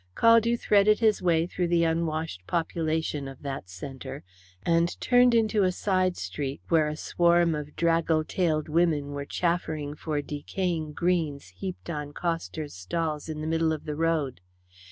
Caldew threaded his way through the unwashed population of that centre, and turned into a side street where a swarm of draggle tailed women were chaffering for decaying greens heaped on costers' stalls in the middle of the road.